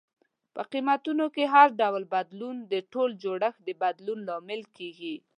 په قیمتونو کې هر ډول بدلون د ټول جوړښت د بدلون لامل کیږي.